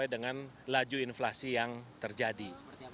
dengan laju inflasi yang terjadi